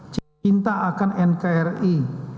cinta akan nkri